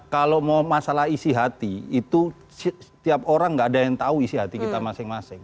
kalau mau masalah isi hati itu setiap orang tidak ada yang tahu isi hati kita masing masing